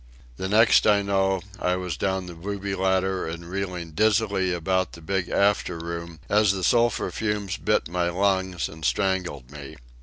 The next I know, I was down the booby ladder and reeling dizzily about the big after room as the sulphur fumes bit my lungs and strangled me.